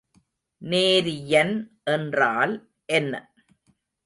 நேரியன் என்றால் என்ன?